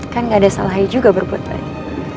kan nggak ada salahnya juga berbuat tadi